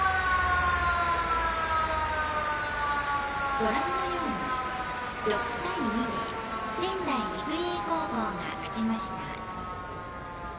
ご覧のように６対２で仙台育英高校が勝ちました。